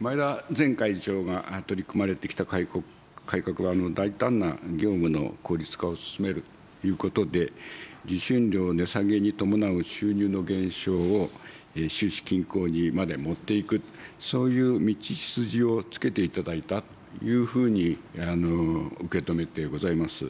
前田前会長が取り組まれてきた改革は、大胆な業務の効率化を進めるということで、受信料値下げに伴う収入の減少を収支均衡にまで持っていく、そういう道筋をつけていただいたというふうに受け止めてございます。